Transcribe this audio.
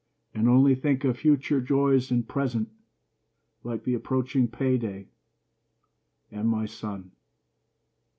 And only think of future joys and present, Like the approaching payday, and my son.